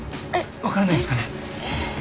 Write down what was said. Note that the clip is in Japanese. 分からないですかね？